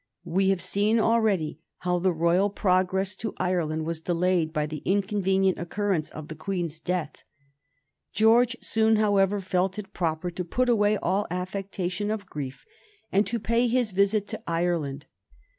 We have seen already how the royal progress to Ireland was delayed by the inconvenient occurrence of the Queen's death. George soon, however, felt it proper to put away all affectation of grief, and to pay his visit to Ireland.